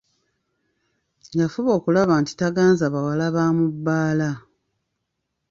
Yafuba okulaba nti taganza bawala ba mu bbaala.